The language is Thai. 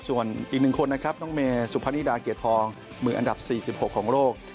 ส่วนอีกหนึ่งคนนะครับน้องเมสุพนิดาเกียรติทองมืออันดับ๔๖ของโลก